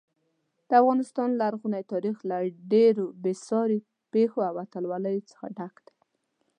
د افغانستان لرغونی تاریخ له ډېرو بې ساري پیښو او اتلولیو څخه ډک دی.